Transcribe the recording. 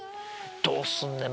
どうすんねん？